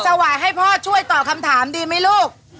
จะสวัสดีให้พ่อช่วยตอบคำถามดีมั้ยลูก